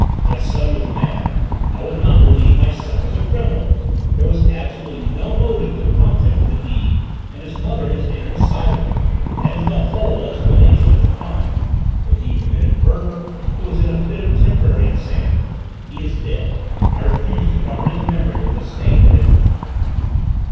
My son was mad! I will not believe my son was a criminal! There was absolutely no motive to prompt him to the deed, and his mother is in an asylum! That is the whole explanation of the crime! If he committed murder, it was in a fit of temporary insanity! He is dead; I refuse to cover his memory with the stain of infamy!"